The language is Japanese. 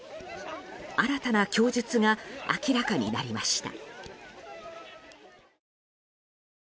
新たな供述が明らかになりました。